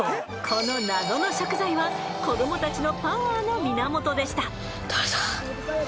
この謎の食材は子どもたちのパワーの源でした。